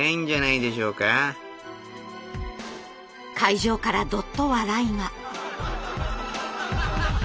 会場からどっと笑いが。